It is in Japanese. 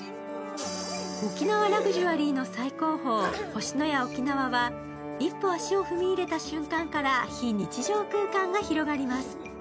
沖縄ラグジュアリーの最高峰・星のや沖縄は、一歩足を踏み入れた瞬間から非日常空間が広がります。